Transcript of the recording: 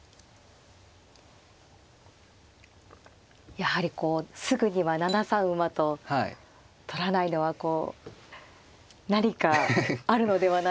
やはりこうすぐには７三馬と取らないのはこう何かあるのではないかと。